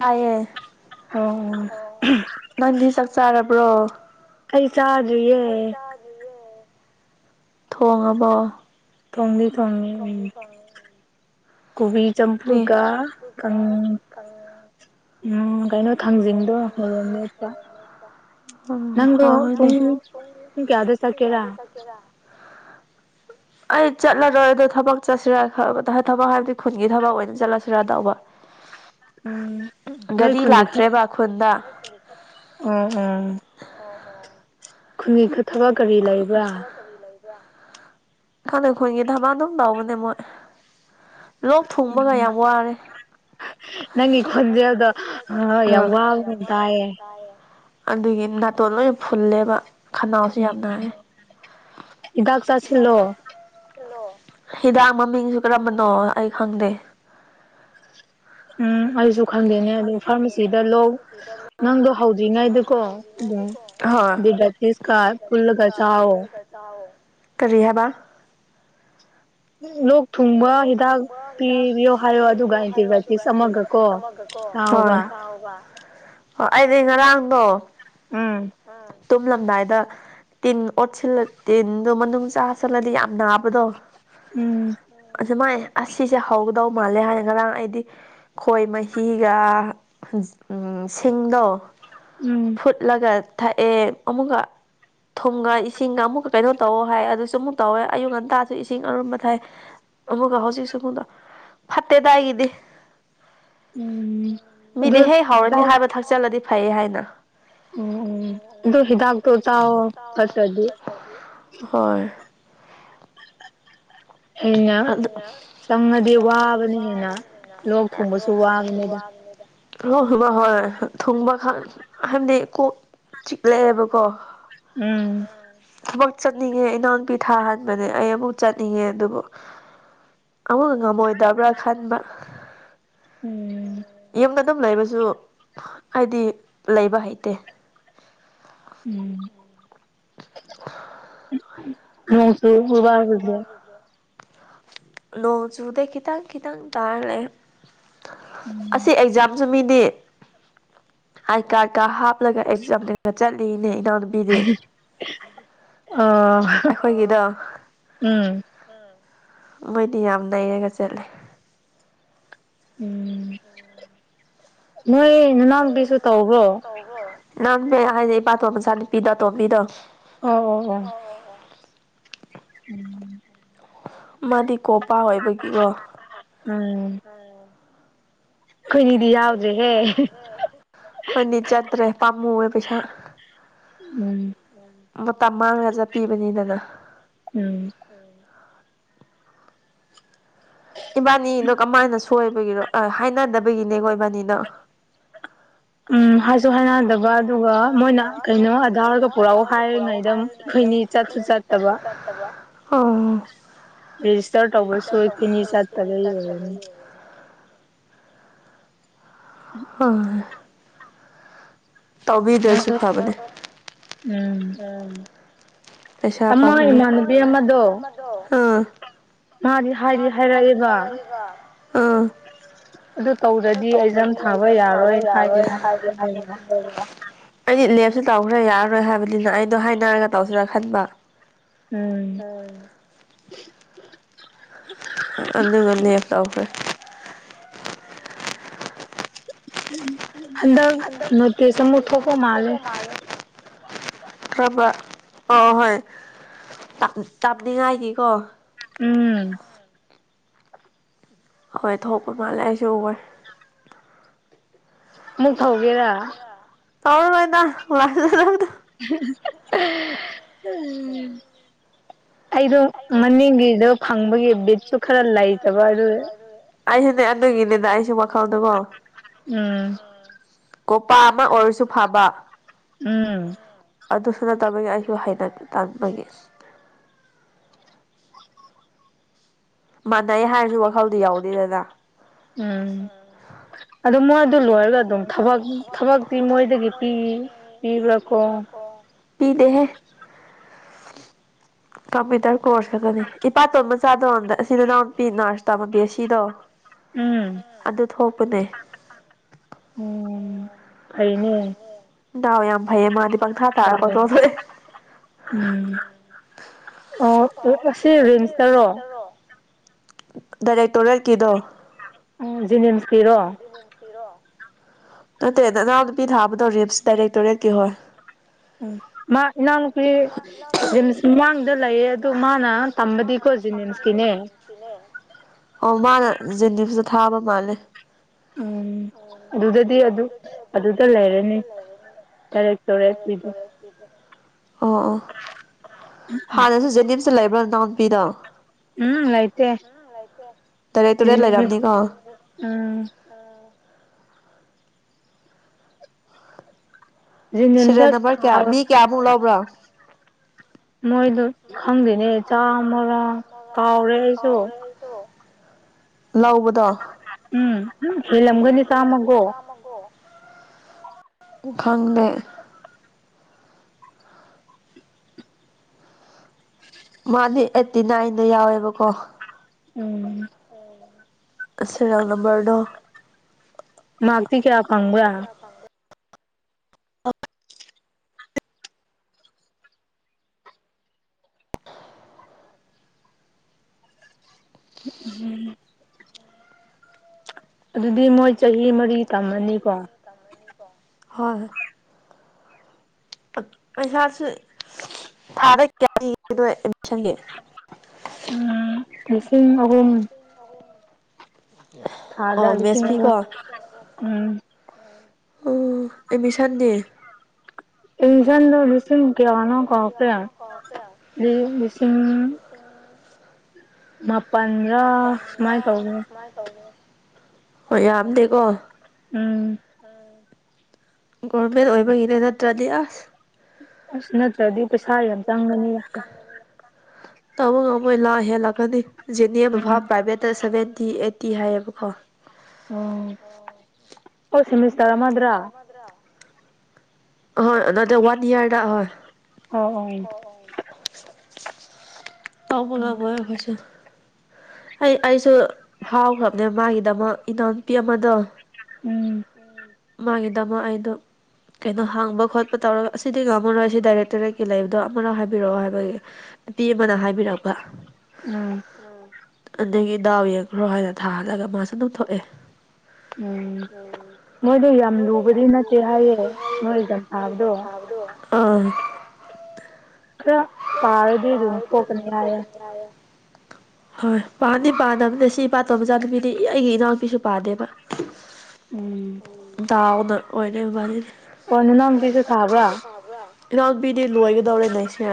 ꯍꯥꯏꯥꯏꯌꯦ ꯅꯪꯗꯤ ꯆꯥꯛ ꯆꯥꯔꯕ꯭ꯔꯣ ꯀꯩ ꯆꯥ ꯣꯏꯌꯦ ꯊꯣꯡꯉꯕꯣ ꯇꯣꯡꯉ ꯇꯣꯡꯉꯤ ꯎꯝ ꯀꯣꯕꯤ ꯆꯝꯐꯨꯠꯀ ꯀꯪ ꯎꯝ ꯀꯩꯅꯣ ꯊꯥꯡꯖꯤꯡꯗꯣ ꯃꯔꯣ ꯃꯦꯠꯄ ꯅꯪꯗꫭ ꯄꯨꯡ ꯄꯨꯡ ꯀꯌꯥꯗ ꯆꯠꯀꯦꯔ ꯑꯩ ꯆꯠꯂꯔꯣꯏꯗꯣ ꯊꯕꯛ ꯆꯠꯁꯤꯔ ꯈ ꯊꯕꯛ ꯍꯥꯏꯕꯗꯤ ꯈꯨꯠ ꯒꯤ ꯊꯕꯛ ꯑꯣꯏꯅ ꯆꯠꯂꯁꯤꯔ ꯇꯧꯕ ꯒꯥꯔꯤ ꯂꯥꯛꯇ꯭ꯔꯦꯕ ꯈꯨꯟꯗ ꯎꯝ ꯎꯝ [unintelligible] ꯈꯨꯒꯤ ꯈ ꯊꯕꯛ ꯀꯔꯤ ꯂꯩꯕ꯭ꯔꯥ ꯈꯪꯗꯦ ꯈꯨꯟꯒꯤ ꯊꯕꯛ ꯑꯗꯨꯝ ꯇꯎꯕꯅꯦ ꯃꯣꯏ ꯈꯨꯝꯕꯒ ꯌꯥꯝ ꯋꯥꯔꯦ ꯅꯪꯒꯤ ꯈꯣꯟꯖꯦꯜꯗꯣ ꯌꯥꯝ ꯋꯥꯕ ꯇꯥꯏꯌꯦ ꯑꯗꯨꯒꯤ ꯅꯥꯇꯣꯟ ꯂꯣꯏ ꯐꯨꯜꯂꯦꯕ ꯈꯅ ꯌꯥꯝ ꯅꯥꯏꯌꯦ [unintelligible] ꯍꯤꯗꯥꯛ ꯃꯃꯤꯡꯁꯨ ꯀꯔꯝꯕꯅꯣ ꯑꯩ ꯈꯪꯗꯦ ꯎꯝ ꯑꯩꯁꯨ ꯈꯪꯗꯦꯅꯦ ꯑꯗꯨꯣ ꯐꯥꯔꯃꯥꯁꯤꯗ ꯂꯣ ꯅꯪꯗꯣ ꯍꯧꯗꯣꯏ ꯅꯥꯏꯗꯨꯀꯣ ꯎ ꯗꯤꯒꯇꯤꯁꯀꯥ ꯄꯨꯜꯒ ꯆꯥꯎ ꯀꯔꯤ ꯍꯥꯏꯕ ꯂꯣꯛ ꯊꯨꯡꯕ ꯍꯤꯗꯥꯛ ꯄꯤꯕꯤꯌꯣ ꯍꯥꯏꯌꯣ ꯑꯗꯨꯒ ꯑꯦꯟꯇꯤꯕꯥꯌꯇꯤꯛꯁ ꯑꯃꯒ ꯀꯣ ꯍꯣꯏ ꯑꯣ ꯑꯩꯗꯤ ꯉꯔꯥꯡꯗꯣ ꯎꯝ ꯇꯨꯝꯂꯝꯗꯥꯏꯗ ꯇꯤꯟ ꯑꯣꯠꯁꯤꯜꯂ ꯇꯤꯟꯗꯣ ꯃꯅꯨꯡ ꯆꯥꯁꯤꯜꯂꯗꯤ ꯌꯥꯝ ꯅꯥꯕꯗꯣ ꯎꯝ ꯑ ꯃꯥꯏ ꯑꯁꯤꯁꯦ ꯍꯧꯒꯗꯧ ꯃꯥꯜꯂꯦ ꯍꯥꯏꯅ ꯉꯔꯥꯡ ꯑꯩꯗꯤ ꯈꯣꯏ ꯃꯍꯤꯒ ꯎ ꯁꯤꯡꯗꯣ ꯎꯝ ꯐꯨꯠꯂꯒ ꯊꯛꯑꯦ ꯑꯃꯨꯛꯀ ꯊꯨꯝꯒ ꯏꯁꯤꯡꯒ ꯑꯃꯨꯛꯀ ꯀꯩꯅꯣ ꯇꯧꯋ ꯍꯥꯏ ꯑꯗꯨꯁꯨ ꯑꯃꯨꯛ ꯇꯧꯋꯦ ꯑꯌꯨꯛ ꯉꯟꯇꯥꯁꯨ ꯏꯁꯤꯡ ꯑꯔꯨꯝꯕ ꯊꯥꯏ ꯑꯃꯨꯛꯒ ꯍꯧꯖꯤꯛꯁꯤꯕꯨꯗ ꯐꯠꯇꯦꯗ ꯑꯩꯒꯤꯗꯤ ꯃꯤꯗꯤ ꯍꯦꯛ ꯍꯧꯔꯅꯤ ꯍꯥꯏꯕ ꯊꯛꯆꯜꯂꯗꯤ ꯐꯩꯌꯦ ꯍꯥꯏꯅ ꯑꫭ ꯑꫭ ꯑꯗꯨ ꯍꯤꯗꯥꯛ ꯇꯣ ꯆꯥꯎꯋꫭ ꯐꯠꯇꯗꯤ ꯍꫭꯏ [unintelligible] ꯍꯣꯏꯣꯏ ꯍꯣꯏ ꯍꯣꯏ ꯊꯨꯡꯕ ꯈ ꯍꯥꯏꯕꯗꯤ ꯀꯣꯛ ꯆꯤꯛꯂꯛꯑꯦꯕꯀꯣ ꯎꯝ ꯑꯃꯨꯛ ꯆꯠꯅꯤꯡꯉꯦ ꯏꯅꯥꯎꯄꯤ ꯊꯥꯍꯟꯕꯅꯦ ꯑꯩ ꯑꯃꯨꯛ ꯆꯠꯅꯤꯡꯉꯦ ꯑꯗꯨꯕꯨ ꯑꯃꯨꯛ ꯉꯃꯣꯏ ꯗꯕ꯭ꯔꯥ ꯈꯥꯟꯕ ꯎꯝ ꯌꯨꯝꯗ ꯑꯗꯨꯝ ꯂꯩꯕꯁꯨ ꯍꯥꯏꯗꯤ ꯂꯩꯕ ꯍꯩꯇꯦ ꯎꯝ ꯍꯅꯨꯡꯁꯨ ꯎꯕꯗꯦ ꯅꯧꯖꯨꯗꯦ ꯀꯈꯤꯇꯪ ꯀꯈꯤꯗꯪꯪ ꯇꯥꯂ ꯎꯝ ꯑꯁꯤ ꯑꯦꯛꯖꯥꯝꯁꯨ ꯃꯤꯅꯤ ꯑꯥꯏ ꯀꯥꯔꯠ ꯀ ꯍꯥꯞꯂꯒ ꯑꯦꯛꯖꯥꯝ ꯆꯠꯂꯤꯅꯦ ꯏꯅꯥꯎ [unintelligible] ꯑꯣ ꯎꯝ ꯃꯣꯏꯗꯤ ꯌꯥꯝ ꯅꯩꯔꯒ ꯆꯠꯂꯦ ꯎꯝ ꯅꯣꯏ ꯅꯅꯥꯎꯄꯤꯁꯨ ꯇꯧꯕ꯭ꯔꯣ ꯅꯪꯅꯦ ꯍꯥꯏꯗꯤ ꯏꯄꯥꯇꯣꯝ ꯃꯆꯥ ꯅꯨꯨꯄꯤꯗꯣ ꯑꯇꯣꯝꯕꯤꯗꯣ ꯑꯣ ꯑꯣ ꯑꯣ ꯎꯝ ꯃꯥꯗꯤ ꯀꯣꯄꯥ ꯑꯣꯏꯕꯒꯤꯀꯣ ꯎꯝ ꯑꯩꯈꯣꯏꯅꯤꯗꯤ ꯌꯥꯎꯗ꯭ꯔꯦꯍꯦ ꯍꯣꯏꯅꯤꯖꯠꯗ꯭ꯔꯦ ꯄꯥꯝꯃꯨ ꯄꯩꯁꯥ ꯎꯝ ꯃꯇꯝ ꯃꯥꯡꯂ ꯆꯠꯄꯤꯕꯅꯤꯗꯅ ꯎꯝ ꯏꯕꯥꯅꯤꯅꯣ ꯀꯃꯥꯏꯅ ꯁꯣꯏꯕꯒꯤꯅꯣ ꯍꯥꯏꯅꯗꯕꯒꯤꯅꯦꯀꯣ ꯏꯕꯥꯅꯤꯗꯣ ꯎꯝ ꯍꯥꯏꯁꯨ ꯍꯥꯏꯅꯗ ꯑꯗꯨꯒ ꯃꯣꯏꯅ ꯀꯩꯅꯣ ꯑꯙꯥꯔꯒ ꯄꯨꯔꯛꯎ ꯍꯥꯏꯔꯤꯉꯩꯗ ꯑꯩꯈꯣꯏꯅꯤ ꯆꯠꯁꯨ ꯆꯠꯇꯕ ꯑꯣ ꯔꯦꯖꯤꯁꯇꯔ ꯇꯧꯕꯁꯨ ꯊꯤꯅꯤ ꯆꯠꯇꯕ ꯑꯣꯏꯔꯦꯅ ꯎꯝ ꯇꯧꯕꯤꯗ꯭ꯔꯁꯨ ꯐꯕꯅꯦ ꯎꯝ ꯑꯁꯥꯄꯕ ꯑꯥ ꯃꯥꯗꯤ ꯍꯥꯏꯔꯤ ꯍꯥꯏꯔꯛꯑꯦꯕ ꯎ ꯑꯗꯨ ꯇꯧꯗ꯭ꯔꯗꯤ ꯑꯩꯖ ꯊꯥꯕ ꯌꯥꯔꯣꯏ ꯍꯥꯏꯕꯦ ꯍꯥꯏꯅ ꯑꯩꯗꯤ ꯂꯦꯞꯁꯨ ꯇꯧꯈ꯭ꯔ ꯌꯥꯔꯔꯣꯏ ꯍꯥꯏꯕꯅꯤꯅ ꯑꯩꯗꯣ ꯍꯥꯏꯅꯔꯒ ꯇꯧꯁꯤꯔꯥ ꯈꯟꯕ ꯎꯝ ꯍꯣꯏ ꯑꯗꯨꯒꯅꯤ ꯇ ꯐꯦ ꯎ ꯑꯟꯗꯛ ꯅꯣꯠꯇꯦꯁ ꯑꯃꯨꯛ ꯊꯣꯛꯀꯣ ꯃꯥꯂꯦ ꯈꯕ ꯑꯣ ꯍꯣꯏ ꯇꯞꯅꯤꯡꯉꯥꯏꯒꯤꯀꯣ ꯎꯝ ꯍꯣꯏ ꯊꯣꯛꯄ ꯃꯥꯜꯂꯦ ꯑꯩꯁꯨ ꯑꯣꯏ ꯃꯨꯛ ꯍꯒꯦꯔꯥ ꯇꯧꯔꯣꯏꯅ ꯎꯝ ꯑꯩꯗꯣ ꯃꯅꯤꯡꯒꯤꯗ ꯐꯪꯕꯒꯤ ꯕꯤꯠꯁꯨ ꯈꯔ ꯂꯩꯇꯕ ꯑꯗꯨ ꯑꯩꯁꯨꯅꯦ ꯑꯗꯨꯒꯤꯅꯤꯗ ꯑꯩꯁꯨ ꯃꯈꯜꯗꯨꯀꯣ ꯎꯝ ꯄꯥ ꯑꯃ ꯑꯣꯏꯔꯁꯨ ꯐꯕ ꯎꯝ ꯑꯗꯨꯁꯨ ꯅꯠꯇꯕꯒꯤ ꯑꯩꯁꯨ ꯍꯩꯅ ꯇꯥꯟꯕꯒꯤ ꯃꯥꯟꯅꯩ ꯍꯥꯏꯔꯁꯨ ꯋꯥꯈꯜꯗꯤ ꯌꯥꯎꯗꯦꯗꯅ ꯎꯝ ꯑꯗꯣ ꯃꯥꯗꯣ ꯂꯣꯏꯔꯒ ꯑꯗꯨꯝ ꯊꯕꯛ ꯊꯕꯛꯇꯤ ꯃꯣꯏꯗꯒꯤ ꯄꯤ ꯄꯤꯕ꯭ꯔꯥꯀꯣ ꯄꯤꯗꯦꯍꯦ ꯀꯝꯄ꯭ꯌꯨꯇꯔ ꯀꯣꯔꯁ ꯈꯇꯅꯦ ꯏꯄꯥꯇꯣꯟ ꯃꯆꯥꯗꯣꯟꯗ ꯑꯁꯤꯗ ꯅꯥꯎꯅꯨꯄꯤ ꯅꯔꯁ ꯇꯝꯕ ꯕꯤꯌꯦꯁꯤꯗꯣ [inaudible] ꯎꯝ ꯑꯗꯨ ꯊꯣꯛꯄꯅꯦ ꯎꯝ ꯐꯩꯅꯦ ꯎꯑꯣ ꯌꯥꯝ ꯐꯩꯌꯦ ꯃꯥꯗꯤ ꯎꯝ ꯑꯣ ꯑꯣ ꯑꯁꯤ ꯔꯤꯝꯁꯇꯔꯣ ꯗꯥꯏꯔꯦꯛꯛꯇꯣꯔꯔꯠꯀꯤꯗꯣ ꯖꯤꯅꯤꯝꯁꯀꯤꯔꯣ ꯅꯠꯇ꯭ꯔꯦꯗ ꯅꯅꯥꯎ ꯅꯨꯄꯤ ꯊꯥꯕꯗꯣ ꯔꯤꯞꯁ ꯗꯥꯏꯔꯦꯛꯇꯣꯔꯦꯠꯀꯤ ꯍꯣꯏ ꯎꯝ ꯃꯥ ꯏꯅꯥꯎꯅꯨꯄꯤ ꯔꯤꯝꯁ ꯃꯃꯥꯡꯗ ꯂꯩꯌꯦ ꯑꯗꯨ ꯃꯥꯅ ꯇꯝꯕꯗꯤ [inaudible] ꯑꯣ ꯃꯥꯅ ꯖꯦꯅꯤꯝꯁꯇ ꯊꯥꯕ ꯃꯥꯜꯂꯦ ꯎꯝ ꯑꯗꯨꯗꯗꯤ ꯑꯗꯨ ꯑꯗꯨꯗ ꯂꯩꯔꯅꯤ [unintelligible] ꯑꯣ ꯑꯣ ꯍꯥꯟꯅꯁꯨ ꯖꯦꯅꯤꯝꯁꯇ ꯂꯩꯕ꯭ꯔꯥ ꯅꯅꯥꯎꯅꯨꯄꯤꯗꯣ ꯎꯝ ꯂꯩꯥꯏꯇꯦ [unintelligible] ꯎꯝ ꯁꯦꯔꯤꯌꯦꯜ ꯅꯝꯕꯔ ꯀꯌꯥ ꯃꯤ ꯀꯌꯥꯃꯨꯛ ꯂꯧꯕ꯭ꯔꯣ ꯃꯣꯏꯗꯨ ꯈꯪꯗꯦꯅꯦ ꯆꯥꯃꯒ ꯀꯥꯎꯔꯦ ꯑꯩꯁꯨ ꯂꯧꯕꯗꯣ ꯎꯝ ꯍꯦꯂꯝꯒꯅꯤ ꯆꯝꯃꯒꯣ ꯎ ꯈꯪꯅꯦ ꯃꯥꯗꯤ ꯑꯦꯇꯤꯅꯥꯏꯟꯗ ꯌꯥꯎꯋꯦꯕꯀꯣ ꯎꯝ ꯑ ꯁꯤꯔꯤꯌꯦꯜ ꯅꯝꯕꯔꯗꯣ ꯃꯥꯥꯛꯊꯤ ꯀꯌꯥ ꯐꯪꯕ꯭ꯔꯥ [inaudible] [unintelligible] ꯑꯗꯨꯗꯤ ꯃꯣꯏ ꯆꯍꯤ ꯃꯔꯤ ꯇꯝꯃꯅꯤꯀꯣ [inaudible] ꯍꯣꯏ ꯄꯩꯁꯥꯁꯨ ꯊꯥꯗ ꯀꯌꯥ [inaudible] ꯅꯣꯏ ꯑꯦꯗꯃꯤꯁꯟꯒꯤ ꯎꯝ ꯂꯤꯁꯤꯡ ꯑꯍꯨꯝ ꯊꯥꯗ ꯂꯤꯁꯤꯡ ꯑꯍꯨꯝ ꯎꯝ ꯑꯣ ꯑꯦꯠꯃꯤꯁꯟꯗꯤ [unintelligible] ꯂꯤꯁꯤꯡ ꯀꯌꯥꯅꯣ ꯀꯥꯎꯈ꯭ꯔꯦ ꯂꯤ ꯂꯤꯁꯤꯡ ꯃꯥꯄꯟꯔꯥ ꯁꯨꯃꯥꯏꯟ ꯇꯧꯕꯅꯦ [unintelligible] ꯑꯣ ꯌꯥꯝꯗꯦꯀꯣ ꯎꯝ ꯒꯣꯔꯃꯦꯟ ꯑꯣꯏꯕꯒꯤꯅꯦ ꯅꯠꯇ꯭ꯔꯗꯤ ꯑꯁ ꯑꯁ ꯅꯠꯇ꯭ꯔꯗꯤ ꯄꯩꯁꯥ ꯌꯥꯝ ꯆꯪꯒꯅꯤ ꯇꯥꯕ ꯉꯝꯃꯣꯏ ꯂꯥ ꯍꯦꯜꯂꯛꯀꯅꯤ [unintelligible] ꯄ꯭ꯔꯥꯏꯚꯦꯠꯇ ꯁꯚꯦꯟꯇꯤ ꯑꯩꯠꯇꯤ ꯍꯥꯏꯌꯦꯕꯀꯣ ꯑꯣ ꯑꯣ ꯁꯦꯃꯤꯁꯇꯔ ꯑꯃꯗꯔꯥ ꯑꯍꯣꯏ ꯅꯗꯦ ꯋꯥꯟ ꯏꯌꯥꯔꯗ ꯍꯣꯏ [unintelligible] [unintelligible] ꯑꯩ ꯑꯩꯁꯨ ꯐꯥꯎꯈ꯭ꯔꯕꯅꯦ ꯃꯥꯒꯤꯗꯃꯛ ꯏꯅꯥꯎꯅꯨꯄꯤ ꯑꯃꯗꯣ ꯎꯝ ꯃꯥꯒꯤꯗꯃꯛ ꯑꯩꯗꯣ ꯀꯩꯅꯣ ꯍꯥꯡꯕ ꯈꯣꯠꯄ ꯇꯧꯔꯒ ꯑꯁꯤꯗꯤ ꯉꯝꯃꯔꯣꯏ ꯁꯤ ꯗꯥꯏꯔꯦꯛꯇꯔꯦꯠꯀꯤ ꯂꯩꯕꯗꯣ ꯑꯃꯔꯣ ꯍꯥꯏꯕꯤꯔꯛꯑꯣ ꯍꯥꯏꯕꯒꯤ ꯅꯨꯄꯤ ꯑꯃꯅ ꯍꯥꯏꯕꯤꯔꯛꯄ ꯎꯝ ꯑꯗꯒꯤ ꯗꯥꯎ ꯌꯦꯡꯈ꯭ꯔꯣ ꯍꯥꯏꯅ ꯊꯥꯜꯂꯒ ꯃꯥꯁꯨ ꯑꯗꯨꯝꯊꯣꯛꯑꯦ ꯎꯝ ꯃꯣꯏꯗꯣ ꯌꯥꯝ ꯂꯨꯕꯗꯤ ꯅꯠꯇꯦ ꯍꯥꯏꯌꯦ ꯅꯣꯏ ꯑꯦꯛꯖꯥꯝ ꯊꯥꯕꯗꯣ [unintelligible] ꯑꯥ ꯈꯔ ꯄꯥꯔꯗꯤ ꯗꯨꯝ ꯊꯣꯛꯄꯅꯤ ꯍꯥꯏꯌꯦ [unintelligible] ꯍꯣꯏ ꯄꯥꯟꯗꯤ ꯄꯥꯟꯗꯕꯅꯦ ꯁꯤ ꯏꯄꯥꯇꯣꯟ ꯃꯆꯥꯅꯨꯄꯤꯗꯤ ꯑꯩꯒꯤ ꯏꯅꯥꯎꯅꯨꯄꯤꯁꯨ ꯄꯥꯗꯦꯕ [inaudible] ꯎꯝ ꯗꯥꯎꯅ ꯑꯣꯏꯅꯅꯦ ꯃꯔꯅꯤ ꯏꯅꯥꯎꯄꯤꯗꯤ ꯂꯣꯏꯒꯗꯧꯔꯦ ꯅꯁꯦ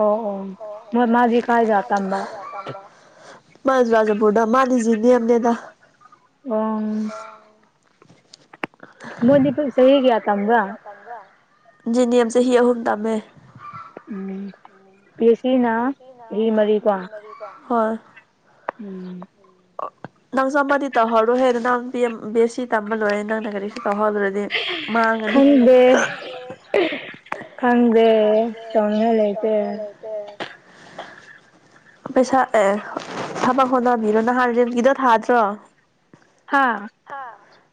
ꯑꯣ ꯑꯣ ꯃ ꯃꯥꯖꯤꯒꯤ ꯀꯥꯏ ꯌꯥ ꯇ ꯑꯗ ꯀꯝꯕ ꯃꯥ ꯔꯥꯖꯥꯄꯨꯔꯗ ꯃꯥꯜꯂꯤꯁꯤ ꯅꯦꯝꯅꯦꯗ ꯎ ꯑ ꯃꯣꯏꯅꯤꯄꯨ ꯁꯍꯤ ꯀꯌꯥ ꯇꯨꯒ ꯅꯤꯌ ꯆꯍꯤ ꯑꯍꯨꯝ ꯇꯝꯃꯦ ꯎꯝ ꯄꯤ ꯁꯤꯅ ꯍꯤ ꯃꯔꯤꯀꯣ ꯍꯣꯏ ꯎꯝ ꯅꯪꯁꯨꯃꯗꯤ ꯇꯧꯍꯧꯔꯣ ꯍꯦꯟꯅ ꯅꯪ ꯕꯦꯁꯤ ꯇꯝꯕ ꯂꯣꯏꯔꯦ ꯅꯪꯅ ꯀꯔꯤꯁꯨ ꯇꯥꯎꯍꯜꯂꯨꯔꯗꯤ ꯃꯥꯡꯉꯅꯤ ꯈꯪꯗꯦ ꯇꯣꯡꯅ ꯂꯩꯇꯦ ꯍ ꯄꯩꯁꯥ ꯑꯦ ꯊꯕꯛ ꯍꯣꯠꯅꯕꯤꯔꯣ ꯅꯍꯥꯟ ꯌꯒꯤꯗꯣ ꯊꯥꯗ꯭ꯔꯣ ꯍꯥꯥ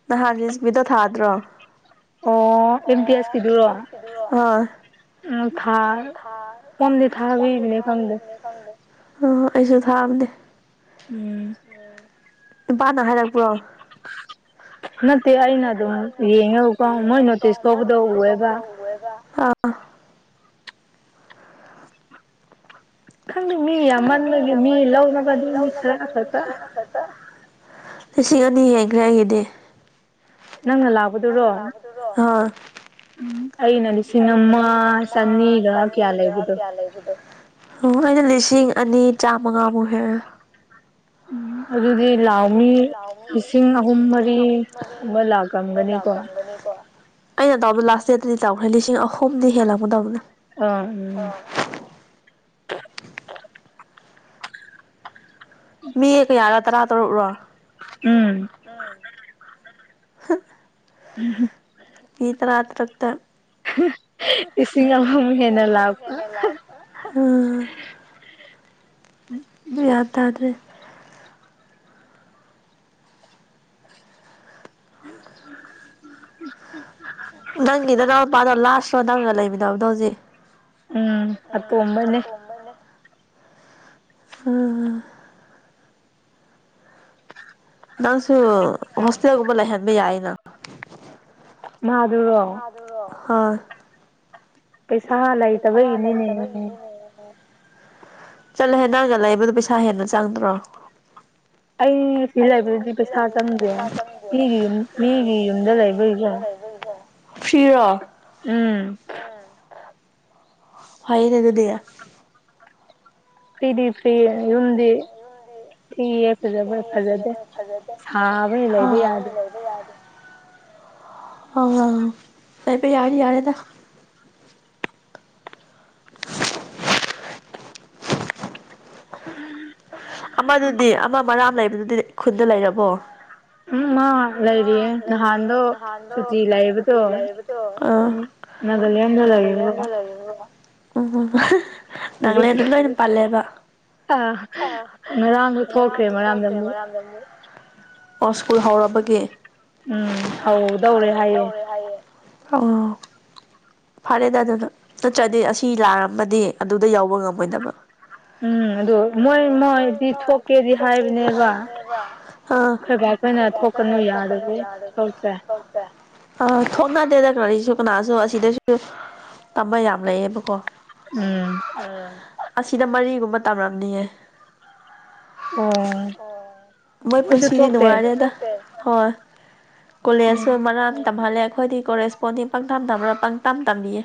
ꯅꯍꯥꯟ ꯂꯤꯁꯕꯤꯗꯣ ꯊꯥꯗ꯭ꯔꯣ ꯑꯣ ꯑꯦꯝꯗꯤ ꯑꯁꯁꯤꯗꯨꯔꯣ ꯎꯝ ꯊꯥ ꯀꯣꯟꯗꯤ ꯊꯥꯕꯤꯕꯅꯦ ꯀꯝꯗ ꯑꯣ ꯑꯩꯁꯨ ꯊꯥꯕꯗꯦ ꯎꯝ ꯅꯨꯄꯥꯅ ꯍꯥꯏꯔꯛꯄ꯭ꯔꯣ ꯅꯠꯇꯦ ꯑꯩꯅ ꯑꯗꯨꯝ ꯌꯦꯡꯉꯦꯕꯀꯣ ꯃꯣꯏ ꯅꯣꯇꯤꯁ ꯇꯧꯕꯗ ꯎꯑꯦꯕ ꯑꯥ ꯈꯪꯗꯦ ꯃꯤ ꯌꯥꯝꯃꯟꯕꯒꯤ ꯃꯤ ꯂꯧꯅꯕꯗꯤ ꯃꯤ ꯈꯔ ꯈꯛꯇ ꯠꯇ ꯂꯤꯁꯤꯡ ꯑꯅꯤ ꯍꯦꯟꯈ꯭ꯔꯦ ꯑꯩꯒꯤꯗꯤ ꯎꯝ ꯑꯩꯅ ꯂꯤꯁꯤꯡ ꯑꯃ ꯆꯅꯤꯒ ꯀꯌꯥ ꯂꯩꯕꯗꯣ ꯂꯒꯗꯣ ꯑꯩꯅ ꯂꯤꯁꯤꯡ ꯑꯅꯤ ꯆꯥꯝꯃꯉꯥꯃꯨꯛ ꯍꯦꯜꯦ ꯎꯝ ꯑꯗꯨꯗꯤ ꯑꯗꯨꯗꯤ ꯂꯥꯎ ꯃꯤ ꯂꯤꯁꯤꯡ ꯑꯍꯨꯝ ꯃꯔꯤꯒꯨꯝꯕ ꯂꯥꯛꯂꯝꯝꯒꯅꯤꯀꯣ ꯑꯩꯅ ꯇꯧꯕꯗ ꯂꯥꯁ ꯗꯦꯠꯇꯗꯤ ꯇꯧꯈ꯭ꯔꯦ ꯂꯤꯁꯤꯡ ꯑꯍꯨꯝꯗꯤ ꯍꯦꯜꯂꯛꯄ ꯇꯧꯕꯗꯅꯦ ꯑꯥ ꯎꯝ ꯃꯤ ꯀꯌꯥꯔ ꯇꯔꯥ ꯇꯔꯨꯛꯔꯣ ꯎꯝ ꯎꯝꯝ ꯏ ꯇꯔꯥ ꯇꯔꯛꯛꯇ ꯂꯤꯁꯤꯡ ꯑꯃꯃꯨꯛ ꯍꯦꯟꯅ ꯂꯥꯛꯄ ꯎꯝ ꯌꯥꯗꯗ꯭ꯔꯦ ꯎ ꯅꯪꯒꯤꯗ ꯅꯄꯥꯗꯣ ꯂꯥꯁꯔꯣ ꯅꯪꯒ ꯂꯩꯃꯤꯟꯅꯅꯕꯗꯣ ꯍꯧꯖꯤꯛ ꯎꯝ ꯑꯄ ꯑꯣꯝꯕꯅꯤꯅꯦ ꯎꯝ ꯅꯪꯁꯨ ꯍꯣꯁꯇꯦꯜꯒꯨꯝꯕ ꯂꯩꯍꯟꯕ ꯌꯥꯏꯌꯦꯅ [unintelligible] ꯃꯥꯗꯨꯔꯣ ꯍꯣꯏ ꯄꯩꯁꯥ ꯍꯥ ꯂꯩꯇꯕ ꯏꯅꯤꯅꯦ ꯆꯠꯂꯦ ꯅꯪꯒ ꯂꯩꯏꯕꯗꯨꯣ ꯄꯩꯁꯥ ꯍꯦꯟꯅ ꯆꯪꯗ꯭ꯔꯣ ꯑꯩ ꯁꯤ ꯂꯩꯕꯗꯨꯗꯤ ꯄꯩꯁꯥ ꯆꯪꯗꯦ ꯃꯤꯒꯤ ꯌꯨꯝ ꯃꯤꯒꯤ ꯌꯨꯝꯗ ꯂꯩꯕꯒꯤꯁꯦ ꯐꯤꯔꯣ ꯎꯝ ꯍꯑꯦꯅꯦ ꯑꯗꯨꯗꯤ ꯐꯔꯤꯗꯤ ꯐ ꯌꯨꯝꯗꯤ ꯊꯤꯑ ꯐꯖꯕ ꯐꯖꯗꯦ ꯁꯥꯕꯅꯤ ꯂꯩꯕ ꯌꯥꯗꯦ ꯑ ꯐ ꯄ ꯌꯥꯔ ꯌꯥꯦꯗ ꯎꯝ ꯑꯃꯗꯨꯗꯤ ꯑꯃ ꯃꯔꯥꯝ ꯂꯩꯕꯗꯨꯗꯤ ꯈꯨꯟꯗ ꯂꯩꯔꯕꯣ ꯎ ꯂꯩ ꯂꯩꯔꯤꯌꯦꯦ ꯂꯩꯔꯤꯌꯦ ꯅꯍꯥꯟꯗꯣ ꯁꯨꯇꯤ ꯂꯩꯕꯗꯣ ꯅꯥꯒꯥꯂꯦꯟꯗ ꯂꯩ ꯎ ꯅꯥꯒꯥꯂꯦꯟꯗ ꯂꯣꯏꯅ ꯄꯥꯜꯂꯦꯕ ꯑꯥ ꯑ ꯉꯔꯥꯡꯁꯨ ꯊꯣꯛꯈ꯭ꯔꯦ ꯉꯔꯥꯡꯗ ꯑꯃꯨꯛ ꯑꯣ ꯁ꯭ꯀꯨꯜ ꯍꯧꯔꯕꯒꯤ ꯎꯝ ꯍꯧꯗꯧꯔꯦ ꯍꯥꯏꯌꯦꯦ ꯑꯥ ꯐꯔꯦꯗ ꯑꯗꯨꯅ ꯅꯠꯇ꯭ꯔꯗꯤ ꯑꯁꯤ ꯂꯥꯛꯔꯝꯃꯗꯤ ꯑꯗꯨꯗ ꯌꯥꯎꯕ ꯉꯝꯃꯣꯏꯗꯕ ꯎꯝ ꯎꯝ ꯑꯗꯨ ꯃꯣꯏ ꯃꯣꯏ ꯊꯣꯛꯀꯦꯗꯤ ꯍꯥꯏꯅꯦꯕ ꯑ ꯈꯔ ꯈ ꯀꯅ ꯊꯣꯛꯀꯅꯨ ꯌꯥꯔꯗꯤ ꯇꯧꯗ꯭ꯔꯦ ꯑꯥ ꯊꯣꯛꯅꯗꯦꯗ ꯀꯔꯤꯁꯨ ꯀꯅꯥꯁꯨ ꯑꯁꯤꯗꯁꯨ ꯇꯝꯕ ꯌꯥꯝ ꯂꯩꯌꯦꯕꯀꯣ ꯎꯝ ꯎꯝ ꯑꯁꯤꯗ ꯃꯔꯤꯒꯨꯝꯕ ꯇꯝꯂꯝꯝꯅꯤꯌꯦꯦ ꯃꯣꯏ ꯄꯨꯟꯁꯤꯗꯤ ꯅꯅꯨꯡꯉꯅꯦꯗ ꯍꯣꯏ ꯀꯣꯂꯦꯖꯁꯨ ꯃꯔꯥꯡ ꯇꯝꯍꯜꯂꯦ ꯑꯩꯈꯣꯏꯗꯤ ꯀ ꯀꯣꯔꯦꯁꯄꯣꯟꯗꯤꯡ ꯄꯪꯊꯝꯕ꯭ꯔꯥ ꯄꯪꯇꯥꯝ ꯇꯝꯕꯤꯌꯦ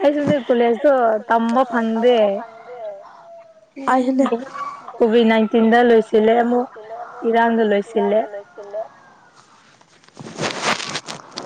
ꯑꯩ ꯁꯨꯅꯤꯔ ꯀꯣꯂꯦꯖꯇꯣ ꯇꯝꯕ ꯐꯪꯗꯦ ꯀꯣꯚꯤꯠ ꯅꯥꯏꯟꯇꯤꯟꯗ ꯂꯣꯏꯁꯤꯜꯂꯦ ꯑꯃꯨꯛ ꯏꯔꯥꯡꯗ ꯂꯣꯏꯁꯤꯜꯂꯦ ꯁꯤ